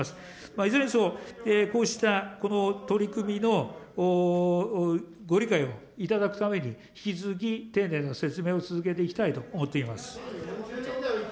いずれにしても、こうしたこの取り組みのご理解を頂くために、引き続き、丁寧な説明を続けていきたいと思っています。